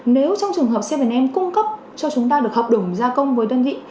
nếu trong trường hợp bảy am cung cấp cho chúng ta được hợp đồng gia công với đơn vị